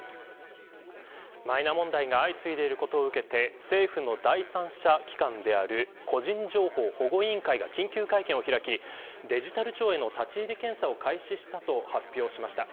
マイナ問題が相次いでいることを受けて政府の第三者機関である個人情報保護委員会が緊急会見を開きデジタル庁への立ち入り検査を開始したと発表しました。